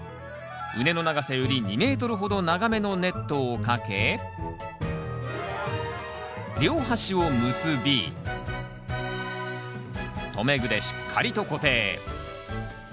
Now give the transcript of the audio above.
畝の長さより２ｍほど長めのネットをかけ両端を結び留め具でしっかりと固定。